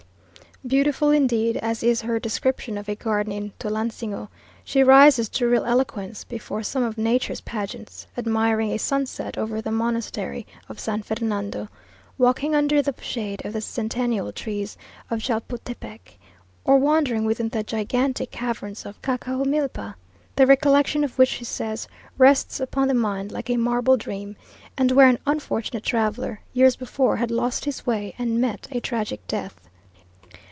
Beautiful indeed as is her description of a garden in Tulancingo, she rises to real eloquence before some of "Nature's pageants," admiring a sunset over the Monastery of San Fernando, walking under the shade of the centennial trees of Chapultepec, or wandering within the gigantic Caverns of Cacahuamilpa, the recollection of which, she says, "rests upon the mind, like a marble dream," and where an unfortunate traveller, years before, had lost his way and met a tragic death.